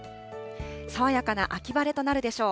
爽やかな秋晴れとなるでしょう。